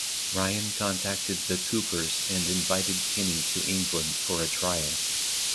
Ryan contacted the Coopers and invited Kenny to England for a trial.